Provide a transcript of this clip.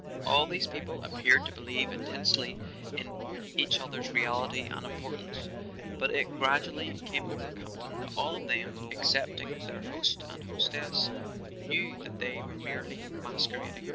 All these people appeared to believe intensely in each other's reality and importance; but it gradually came over Campton that all of them, excepting their host and hostess, knew that they were merely mas¬ querading.